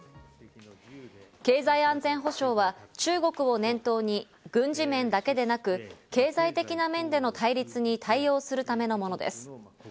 経済安全保障は中国を念頭に軍事面だけでなく経済的な面での対立に対応するためのものです。